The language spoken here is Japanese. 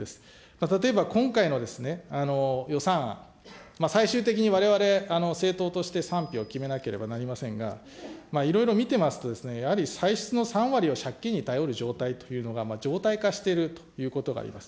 例えば今回の予算案、最終的にわれわれ政党として賛否を決めなければなりませんが、いろいろ見てますと、やはり歳出の３割を借金に頼る状態というのが常態化しているということがあります。